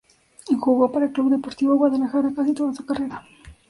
Jugó para el Club Deportivo Guadalajara casi toda su carrera.